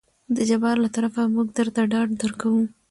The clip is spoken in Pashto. د جبار له طرفه موږ درته ډاډ درکو.